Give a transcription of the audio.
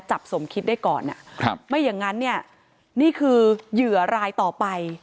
สมคิดได้ก่อนไม่อย่างนั้นเนี่ยนี่คือเหยื่อรายต่อไป